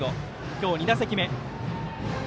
今日２打席目。